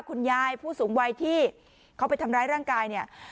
คุณยายผู้สูงวัยที่เขาไปทำร้ายร่างกายเนี่ย